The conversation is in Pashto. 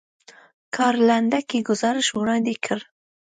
کار لنډکی ګزارش وړاندې کړ.